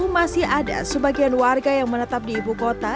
masih ada sebagian warga yang menetap di ibu kota